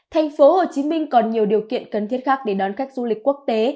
tp hcm còn nhiều điều kiện cần thiết khác để đón khách du lịch quốc tế